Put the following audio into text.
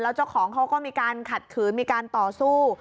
เจ้าของเขาก็มีการขัดขืนมีการต่อสู้